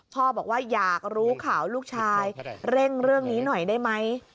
พ่อบอกว่าอยากรู้ข่าวลูกชายเร่งเรื่องนี้หน่อยได้ไหม